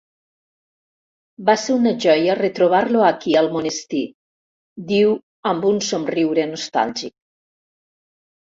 Va ser una joia retrobar-lo aquí al monestir —diu amb un somriure nostàlgic—.